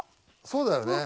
そうだよね。